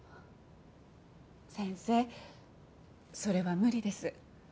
先生それは無理です。